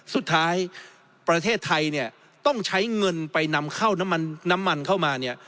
สุดท้ายประเทศไทยเนี่ยต้องใช้เงินไปนำเข้าน้ำมันน้ำมันเข้ามาเนี่ย